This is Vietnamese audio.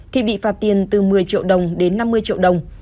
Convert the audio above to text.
thì bị phạt tiền từ một mươi triệu đồng đến năm mươi triệu đồng